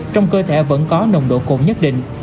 trong cơ thể vẫn có nồng độ cồn nhất định